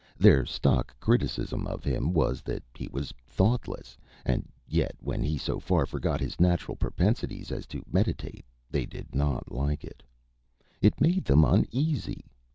Their stock criticism of him was that he was thoughtless; and yet when he so far forgot his natural propensities as to meditate, they did not like it. It made them uneasy.